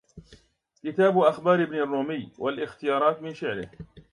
كتاب أخبار ابن الرومي والاختيارات من شعره